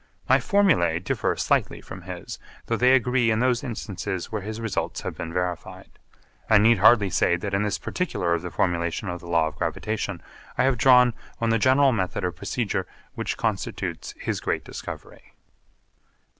My formulae differ slightly from his, though they agree in those instances where his results have been verified. I need hardly say that in this particular of the formulation of the law of gravitation I have drawn on the general method of procedure which constitutes his great discovery.